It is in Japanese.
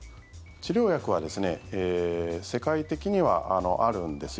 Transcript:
治療薬は世界的にはあるんです。